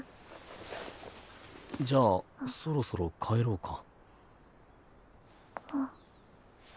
じゃあそろそろ帰ろうか。